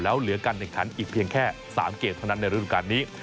แล้วเหลือกัน๑คันอีกเพียงแค่๓เกรดเท่านั้นในรูปการณ์นี้